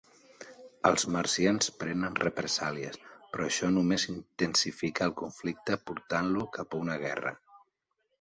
Els marcians prenen represàlies, però això només intensifica el conflicte portant-lo cap a una guerra.